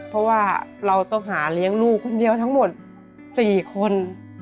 เพราะว่าเราต้องหาเลี้ยงลูกคนเดียวทั้งหมด๔คน